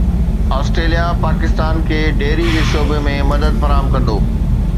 Australia Pakistan کي dairy جي شعبي ۾ مدد فراهم ڪندو